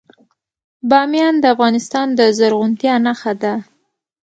بامیان د افغانستان د زرغونتیا نښه ده.